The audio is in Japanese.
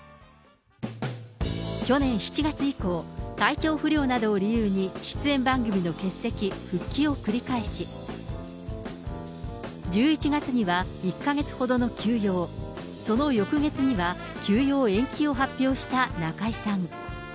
去年７月以降、体調不良などを理由に出演番組の欠席、復帰を繰り返し、１１月には１か月ほどの休養、その翌月には休養延期を発表した中居さん。